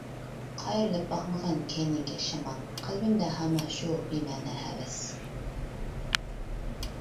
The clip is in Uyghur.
قايرىلىپ باقمىغىن كەينىڭگە شامال، قەلبىمدە ھامان شۇ بىمەنە ھەۋەس.